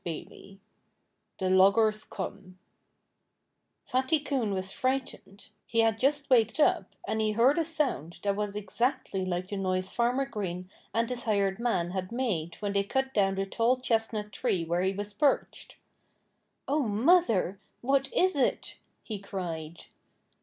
XVIII THE LOGGERS COME Fatty Coon was frightened; he had just waked up and he heard a sound that was exactly like the noise Farmer Green and his hired man had made when they cut down the tall chestnut tree where he was perched. "Oh, Mother! What is it?" he cried.